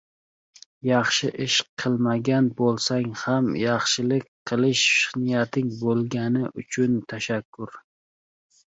Yaxshi ish qilmagan bo‘lsang ham — yaxshilik qilish niyating bo‘lgani uchun tashakkur!